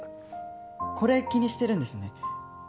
これ気にしてるんですね？